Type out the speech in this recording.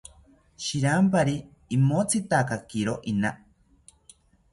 Shirampari imotzitakakiro ina